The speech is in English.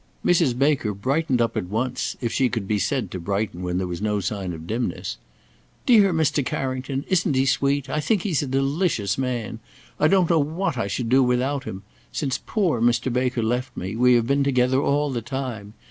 Mrs. Baker brightened up at once, if she could be said to brighten where there was no sign of dimness: "Dear Mr. Carrington! Isn't he sweet? I think he's a delicious man. I don't know what I should do without him. Since poor Mr. Baker left me, we have been together all the time.